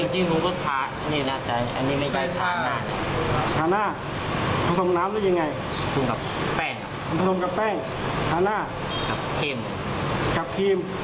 ใช่หรือวะใช่เหรอเดี๋ยวน้องบอก